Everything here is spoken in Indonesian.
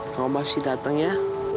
kau masih datang ya